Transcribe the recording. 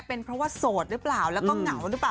เป็นเพราะว่าโสดหรือเปล่าแล้วก็เหงาหรือเปล่า